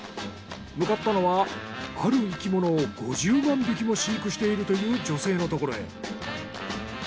向かったのはある生き物を５０万匹も飼育しているという女性の所へ。